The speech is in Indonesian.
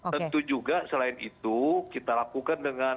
tentu juga selain itu kita lakukan dengan